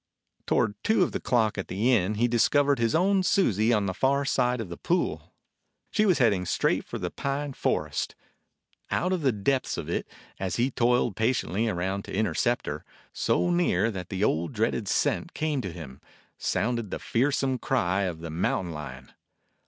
Toward two of the clock at the inn he dis covered his own Susie on the far side of the 21 DOG HEROES OF MANY LANDS pool. She was heading straight for the pine forest. Out of the depths of it, as he toiled patiently around to intercept her, so near that the old, dreaded scent came to him, sounded the fearsome cry of the mountain lion.